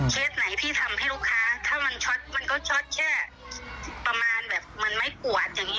ไหนที่ทำให้ลูกค้าถ้ามันช็อตมันก็ช็อตแค่ประมาณแบบมันไม่ปวดอย่างนี้